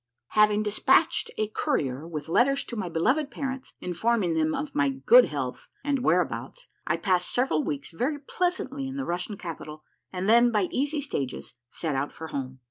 Having despatched an avafit courier Avith letters to my be loved parents, informing them of my good liealth and Avhere abouts, I passed several Aveeks very pleasantly in the Russian capital, and then by easy stages set out for home.